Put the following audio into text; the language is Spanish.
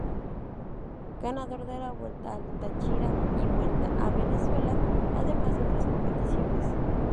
Ganador de la Vuelta al Táchira y Vuelta a Venezuela, además de otras competiciones.